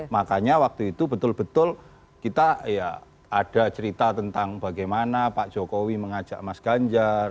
makanya waktu itu betul betul kita ya ada cerita tentang bagaimana pak jokowi mengajak mas ganjar